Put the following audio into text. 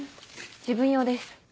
自分用です。